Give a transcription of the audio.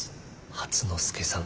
初之助さん。